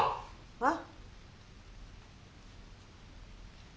あっ！